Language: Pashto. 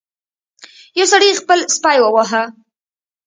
یو سړي خپل سپی وواهه.